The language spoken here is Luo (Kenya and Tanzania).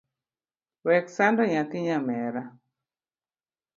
Wek sando nyathi nyamera.